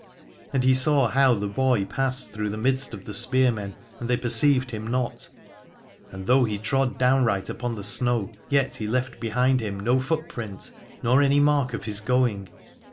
And he saw how the boy passed through the midst of the spear men and they perceived him not : and though he trod downright upon the snow, yet he left behind him no footprint nor any mark of his going.